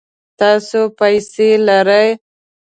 تاسو پیسې لرئ؟